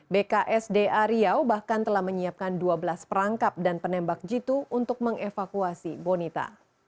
bksda riau bahkan telah menyiapkan dua belas perangkap dan penembak jitu untuk mengevakuasi bonita